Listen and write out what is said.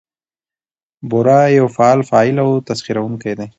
بورا يو فعال فاعل او تسخيروونکى دى؛